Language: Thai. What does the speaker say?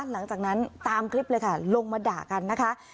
หลังจากนั้นตามคลิปเลยค่ะลงมาด่ากันนะคะ